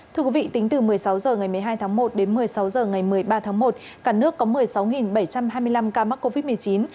thưa quý vị tính từ một mươi sáu h ngày một mươi hai tháng một đến một mươi sáu h ngày một mươi ba tháng một cả nước có một mươi sáu bảy trăm hai mươi năm ca mắc covid một mươi chín